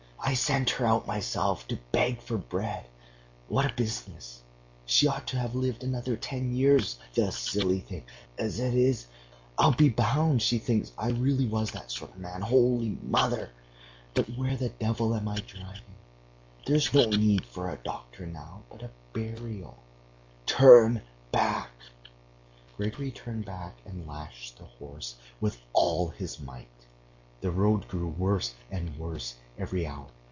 "I sent her out myself to beg for bread. What a business! She ought to have lived another ten years, the silly thing; as it is I'll be bound she thinks I really was that sort of man.... Holy Mother! but where the devil am I driving? There's no need for a doctor now, but a burial. Turn back!" Grigory turned back and lashed the horse with all his might. The road grew worse and worse every hour.